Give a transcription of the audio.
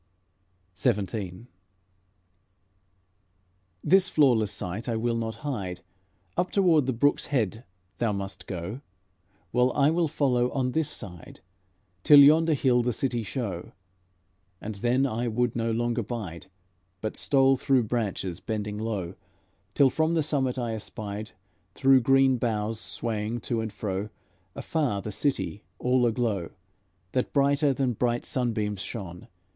XVII "This flawless sight I will not hide; Up toward the brook's head thou must go, While I will follow on this side, Till yonder hill the city show." And then I would no longer bide, But stole through branches, bending low, Till from the summit I espied, Through green boughs swaying to and fro, Afar, the city, all aglow, That brighter than bright sunbeams shone.